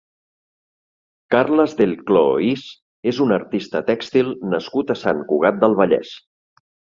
Carles Delclaux Is és un artista tèxtil nascut a Sant Cugat del Vallès.